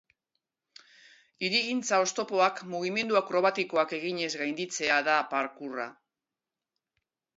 Hirigintza oztopoak mugimendu akrobatikoak eginez gainditzea da parkourra.